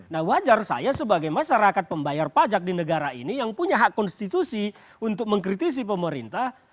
nah wajar saya sebagai masyarakat pembayar pajak di negara ini yang punya hak konstitusi untuk mengkritisi pemerintah